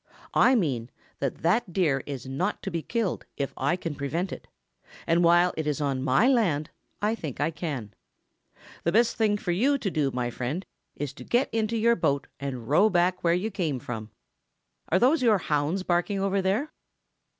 I mean that that Deer is not to be killed if I can prevent it, and while it is on my land, I think I can. The best thing for you to do, my friend, is to get into your boat and row back where you came from. Are those your hounds barking over there?"